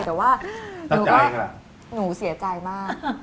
แต่ว่าหนูเสียใจมาก